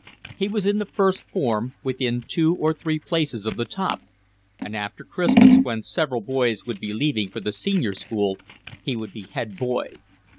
He was in the first form, within two or three places of the top, and after Christmas when several boys would be leaving for the senior school he would be head boy.